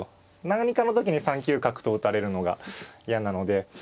何かの時に３九角と打たれるのが嫌なので。